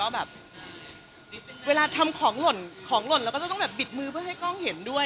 แบบเวลาทำของหล่นของหล่นเราก็จะต้องแบบบิดมือเพื่อให้กล้องเห็นด้วย